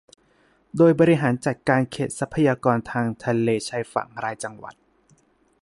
โดยบริหารจัดการเขตทรัพยากรทางทะเลชายฝั่งรายจังหวัด